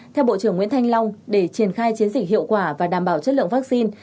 theo bộ trưởng nguyễn thanh long để triển khai chiến dịch hiệu quả và đảm bảo chất lượng vaccine